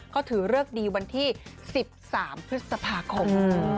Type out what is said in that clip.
ก็ถือเลือกดีวันที่๑๓พศภาคม